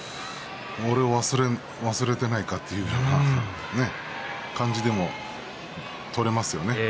俺を忘れていないかという感じにも取れますよね。